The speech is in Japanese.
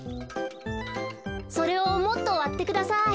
それをもっとわってください。